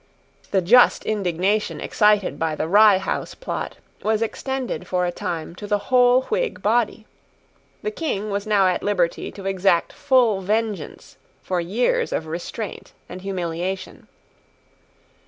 The just indignation excited by the Rye House Plot was extended for a time to the whole Whig body. The King was now at liberty to exact full vengeance for years of restraint and humiliation.